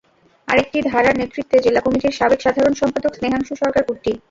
আরেকটি ধারার নেতৃত্বে জেলা কমিটির সাবেক সাধারণ সম্পাদক স্নেহাংশু সরকার কুট্টি।